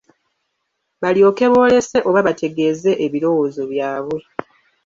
Balyoke boolese oba bategeeze ebirowozo byabwe.